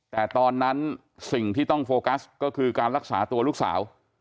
แต่ตอนนั้นสิ่งที่ต้องโฟกัสก็คือการรักษาตัวลูกสาว